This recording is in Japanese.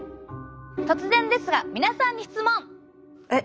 突然ですが皆さんに質問！